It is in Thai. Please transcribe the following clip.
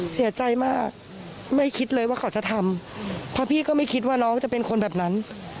เสียใจมากไม่คิดเลยว่าเขาจะทำเพราะพี่ก็ไม่คิดว่าน้องจะเป็นคนแบบนั้น